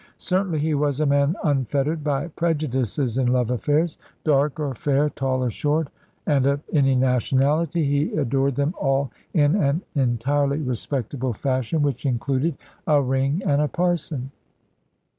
Certainly he was a man unfettered by prejudices in love affairs. Dark or fair, tall or short, and of any nationality, he adored them all in an entirely respectable fashion which included a ring and a parson.